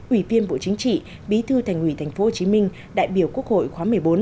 ủy viên bộ chính trị bí thư thành ủy tp hcm đại biểu quốc hội khóa một mươi bốn